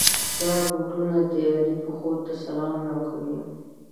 دا بوټونه د علي پښو ته سلام نه کوي.